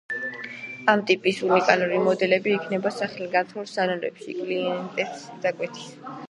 ამ ტიპის უნიკალური მოდელები იქმნება სახელგანთქმულ სალონებში კლიენტების დაკვეთით.